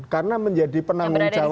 karena menjadi penanggung jawab